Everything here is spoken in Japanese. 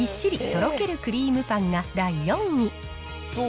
とろけるクリームパンが第４位。